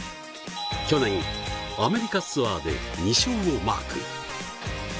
去年、アメリカツアーで２勝をマーク。